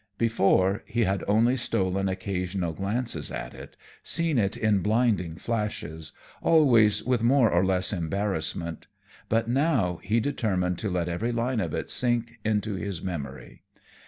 Before, he had only stolen occasional glances at it, seen it in blinding flashes, always with more or less embarrassment, but now he determined to let every line of it sink into his memory.